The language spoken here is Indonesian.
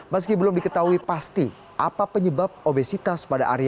meski belum diketahui pasti apa penyebab obesitas pada ari